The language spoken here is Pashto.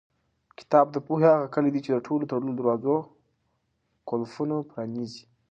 کتاب د پوهې هغه کلۍ ده چې د ټولو تړلو دروازو قلفونه پرانیزي.